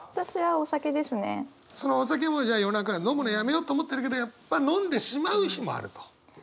そのお酒もじゃあ夜中飲むのやめようと思ってるけどやっぱ飲んでしまう日もあると。